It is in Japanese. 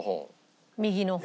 右の方。